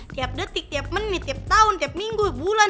tiap detik tiap menit tiap tahun tiap minggu bulan